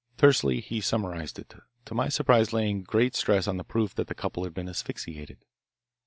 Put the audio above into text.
Tersely he summarised it, to my surprise laying great stress on the proof that the couple had been asphyxiated.